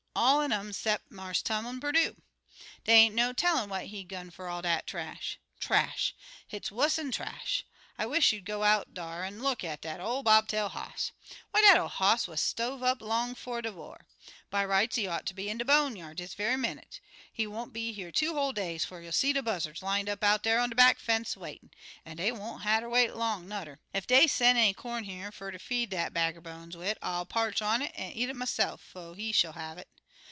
All un um, 'cep' Marse Tumlin Perdue. Dey ain't no tellin' what he gun fer all dat trash. Trash! Hit's wuss'n trash! I wish you'd go out dar an' look at dat ol' bob tail hoss. Why dat ol' hoss wuz stove up long 'fo' de war. By rights he ought ter be in de bone yard dis ve'y minnit. He won't be here two whole days 'fo' you'll see de buzzards lined up out dar on de back fence waitin', an' dey won't hatter wait long nudder. Ef dey sen' any corn here fer ter feed dat bag er bones wid, I'll parch it an' eat it myse'f 'fo' he shill have it.